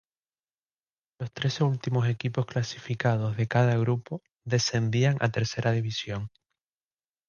Los trece últimos equipos clasificados de cada grupo descendían a Tercera División.